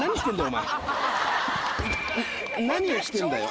何をしてんだよ？